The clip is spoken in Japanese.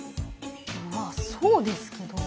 まあそうですけど。